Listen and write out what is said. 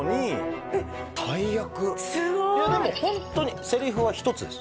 大役すごいホントにセリフは１つです